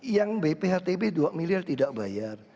yang bphtb dua miliar tidak bayar